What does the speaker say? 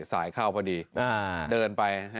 เข้าพอดีเดินไป